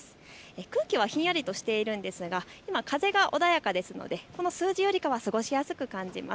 空気はひんやりとしていますが風が穏やかですのでこの数字よりは過ごしやすく感じます。